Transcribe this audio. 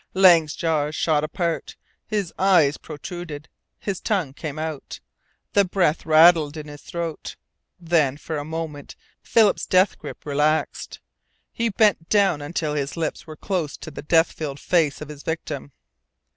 Lang's jaws shot apart, his eyes protruded, his tongue came out the breath rattled in his throat. Then for a moment Philip's death grip relaxed. He bent down until his lips were close to the death filled face of his victim.